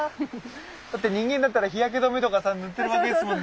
だって人間だったら日焼け止めとかさ塗ってるわけですもんね。